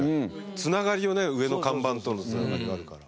繋がりをね上の看板との繋がりがあるから。